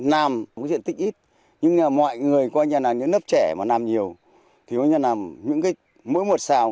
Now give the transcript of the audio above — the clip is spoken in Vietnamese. năm nay do yếu tố thị trường ông đã giảm diện tích trồng hoa xuống còn một xào